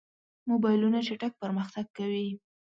موبایلونه چټک پرمختګ کوي.